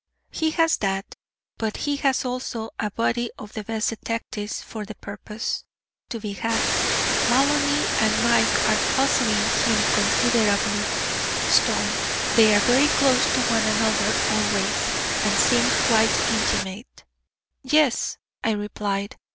"He has that; but he has also a body of the best detectives, for the purpose, to be had. Maloney and Mike are puzzling him considerably, Stone; they are very close to one another always, and seem quite intimate." "Yes," I replied.